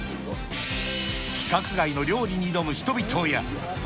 規格外の料理に挑む人々や。